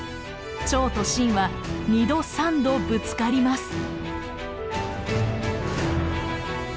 趙と秦は２度３度ぶつかります。